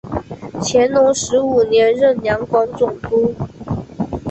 乾隆十五年任两广总督。